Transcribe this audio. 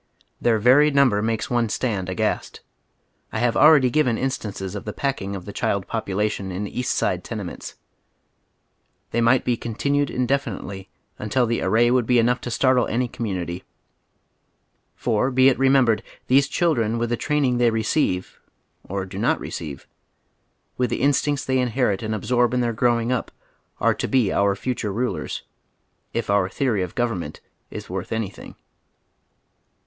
Their very number makes one stand aghast. I have already given instances of the packing of the child population in East Side tenements. They might be continued indefinitely nntil the array would be enough to startle any commonity. For, be it remem bered, these children with the training they receive — or do not receive— with the instincts they inherit and absorb in their growing up, are to be our future rnlers, if onr theory of government is worth anything.